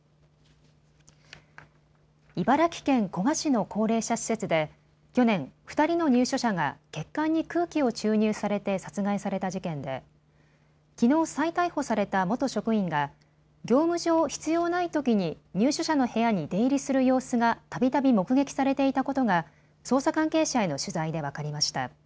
茨城県古河市の高齢者施設で去年、２人の入所者が血管に空気を注入されて殺害された事件できのう再逮捕された元職員が業務上、必要ないときに入所者の部屋に出入りする様子がたびたび目撃されていたことが捜査関係者への取材で分かりました。